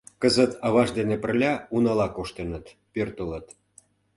Кызыт аваж дене пырля унала коштыныт, пӧртылыт.